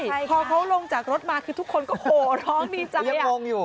ใช่พอเขาลงจากรถมาคือทุกคนก็โหร้องดีจัง